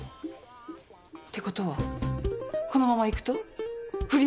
てことはこのままいくと不倫？